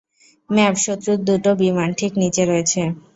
ম্যাভ, শত্রুর দুটো বিমান, ঠিক নিচে রয়েছে।